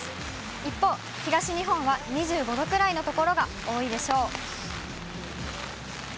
一方、東日本は２５度くらいの所が多いでしょう。